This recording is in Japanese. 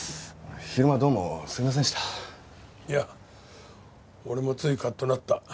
いや俺もついカッとなった。